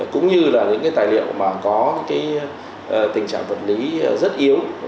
cũng như là những tài liệu có tình trạng vật lý rất yếu